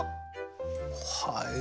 はい。